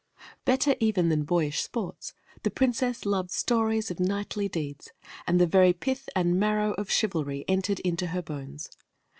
Better even than boyish sports, the Princess loved stories of knightly deeds, and the very pith and marrow of chivalry entered into her bones.